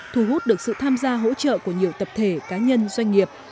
thu hút được sự tham gia hỗ trợ của nhiều tập thể cá nhân doanh nghiệp